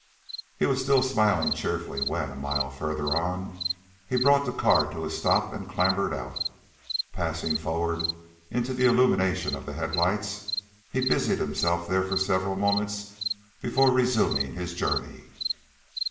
He was still smiling cheerfully when, a mile farther on, he brought the car to a stop and clambered out. Passing forward into the illumination of the headlights, he busied himself there for several moments before resuming his journey.